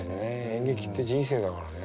演劇って人生だからね。